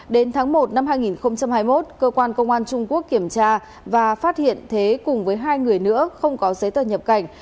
đến tháng một năm hai nghìn hai mươi một cơ quan công an trung quốc kiểm tra và phát hiện thế cùng với hai người nữa không có giấy tờ nhập cảnh